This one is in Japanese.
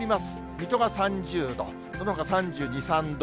水戸が３０度、そのほか３２、３度。